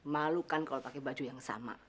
malu kan kalau pakai baju yang sama